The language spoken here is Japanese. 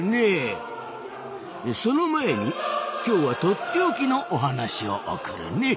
その前に今日はとっておきのお話を贈るね。